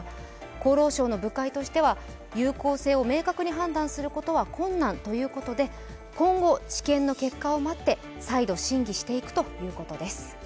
厚労省の部会としては有効性を明確に判断するのは困難ということで今後、治験の結果を待って再度審議していくということです。